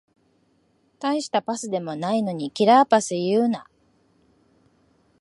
たいしたパスでもないのにキラーパス言うな